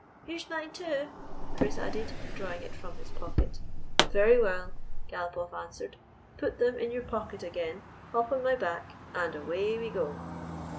" Here is mine, too," Chris added, drawing it from his pocket. " Very well," Galopoff answered. " Put them 21 I GYPSY, THE TALKING DOG in your pocket again, hop on my back, and away we go